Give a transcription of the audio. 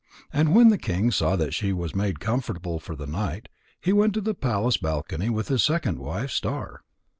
And when the king saw that she was made comfortable for the night, he went to the palace balcony with his second wife Star.